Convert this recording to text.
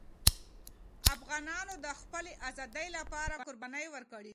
افغانانو د خپلې آزادۍ لپاره قربانۍ ورکړې.